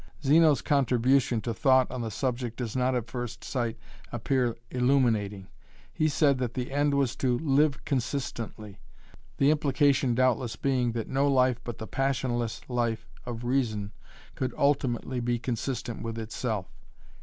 Zeno's contribution to thought on the subject does not at first sight appear illuminating. He said that the end was 'to live consistently,' the implication doubtless being that no life but the passionless life of reason could ultimately be consistent with itself.